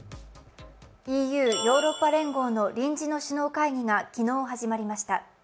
ＥＵ＝ヨーロッパ連合の臨時の首脳会議が昨日始まりました。